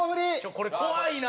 これ怖いな！